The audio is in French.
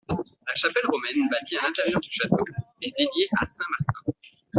La chapelle romane bâtie à l'intérieur du château est dédiée à saint Martin.